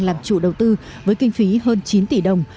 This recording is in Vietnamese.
làm chủ đầu tư với kinh phí hơn chín tỷ đồng